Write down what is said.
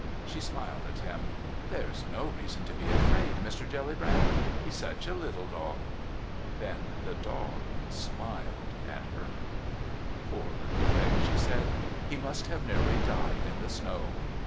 She smiled at him. "There's no reason to be afraid, Mr. Jellybrand. ... He's such a little dog." Then the dog smiled at her. "Poor little thing," she said. "He must have nearly died in the snow."